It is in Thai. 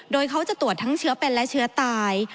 โดยเขาจะตรวจทั้งเชื้อเป็นและเชื้อตาย